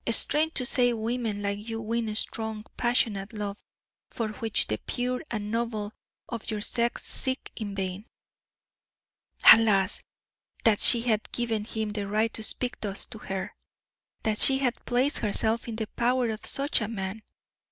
strange to say women like you win strong, passionate love, for which the pure and noble of your sex seek in vain." Alas! that she had given him the right to speak thus to her that she had placed herself in the power of such a man!